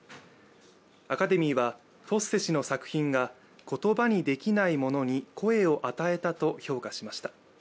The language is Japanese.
アカデミーは、フォッセ氏の作品が言葉にできないものに声を与えたと評価しました。